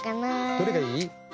どれがいい？